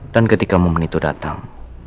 dan ketika momen itu datang